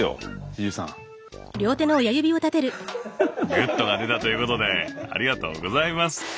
グッドが出たということでありがとうございます。